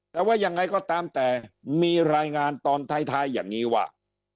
แต่ว่ายังไงก็ตามแต่มีรายงานตอนท้ายอย่างนี้ว่า